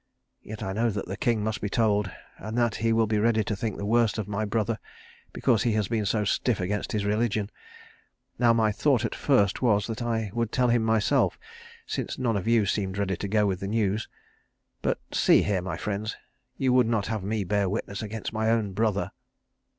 Yet I know that the king must be told, and that he will be ready to think the worst of my brother because he has been so stiff against his religion. Now my thought at first was that I would tell him myself, since none of you seemed ready to go with the news but see here, my friends, you would not have me bear witness against my own brother?"